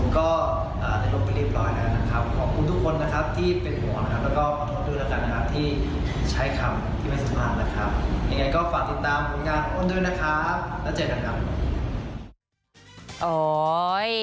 ใจหายใจเอาความกันหมดเลย